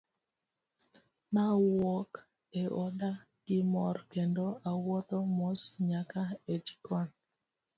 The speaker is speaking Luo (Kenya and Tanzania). Nawuok e oda gi mor kendo awuotho mos nyaka e jikon.